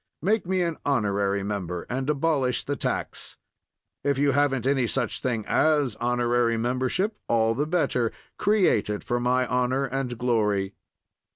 Make me an honorary member and abolish the tax. If you haven't any such thing as honorary membership, all the better—create it for my honor and glory.